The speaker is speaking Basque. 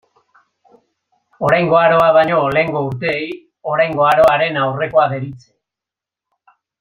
Oraingo Aroa baino lehengo urteei Oraingo Aroaren Aurrekoa deritze.